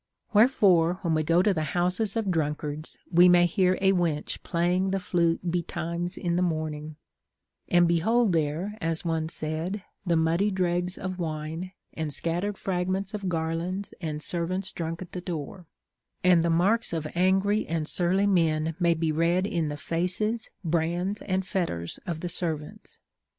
AVherefore, Avhen we go to the houses of drunkards, we may hear a Avench playing the flute betimes in the morn ing, and behold there, as one said, the muddy dregs of wine, and scattered fragments of garlands, and servants drunk at the door ; and the marks of angry and surly men may be read in the faces, brands, and fetters of the servants.